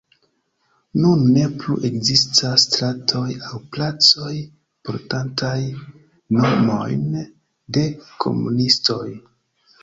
Nun ne plu ekzistas stratoj aŭ placoj portantaj nomojn de komunistoj.